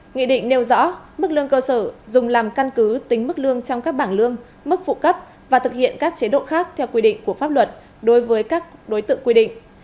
nghị định nêu rõ mức lương cơ sở dùng làm căn cứ tính mức lương trong các bảng lương mức phụ cấp và thực hiện các chế độ khác theo quy định của pháp luật đối với các đối tượng quy định